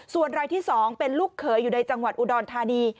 ส่วนรายที่๒เป็นลูกเขยอยู่ในจังหวัดอุดรธานี